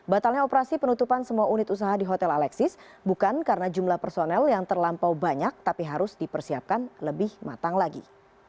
batalnya operasi penutupan semua unit usaha di hotel alexis bukan karena jumlah personel yang terlampau banyak tapi harus dipersiapkan lebih matang lagi